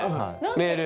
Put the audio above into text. メール。